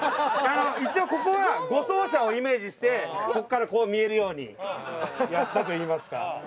一応ここは護送車をイメージしてここからこう見えるようにやったといいますか。